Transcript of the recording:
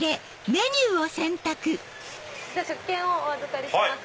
食券をお預かりします